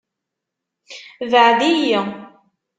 Beɛɛed-iyi.